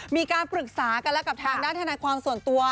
มีการปรึกษากันแล้วกับทางด้านทนายความส่วนตัว